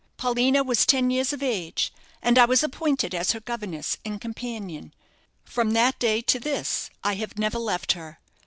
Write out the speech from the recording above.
Paulina was ten years of age, and I was appointed as her governess and companion. From that day to this, I have never left her.